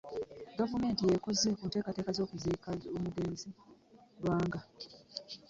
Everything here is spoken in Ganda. Gavumenti y'ekoze ku nteekateeka zonna ez'okuziika omugenzi Lwanga